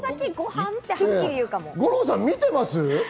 五郎さん、見てます？